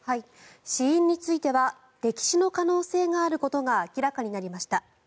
死因については溺死の可能性があることが明らかになりました。